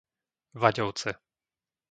Vaďovce